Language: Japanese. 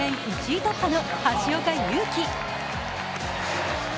１位突破の橋岡優輝。